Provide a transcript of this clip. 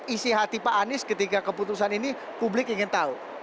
isi hati pak anies ketika keputusan ini publik ingin tahu